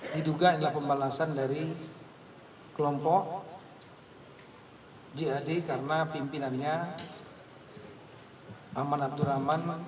diduga adalah pembalasan dari kelompok jad karena pimpinannya aman abdurrahman